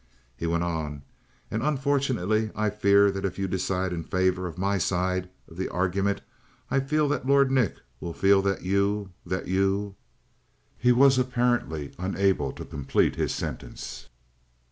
He went on: "And unfortunately I fear that if you decide in favor of my side of the argument, I fear that Lord Nick will feel that you that you " He was apparently unable to complete his sentence.